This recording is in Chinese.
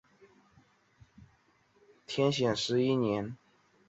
天显十一年鹘离底以南府宰相从太宗南下帮助石敬瑭攻后唐。